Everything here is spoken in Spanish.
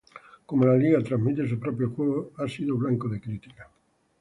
Como la liga transmite sus propios juegos, ha sido blanco de críticas.